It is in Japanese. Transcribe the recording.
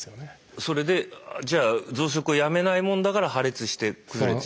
それでじゃあ増殖をやめないもんだから破裂して崩れてしまう？